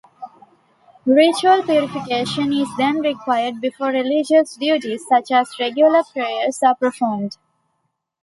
Ritual purification is then required before religious duties such as regular prayers are performed.